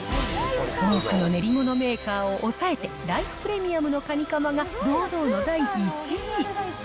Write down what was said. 多くの練り物メーカーを抑えて、ライフプレミアムのかにかまが堂々の第１位。